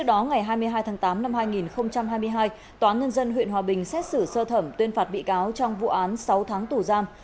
tòa án nhân dân huyện hòa bình xét xử sơ thẩm tuyên phạt bị cáo trong vụ án sáu tháng tù giam